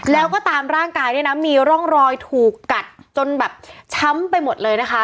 แล้วก็ตามร่างกายเนี่ยนะมีร่องรอยถูกกัดจนแบบช้ำไปหมดเลยนะคะ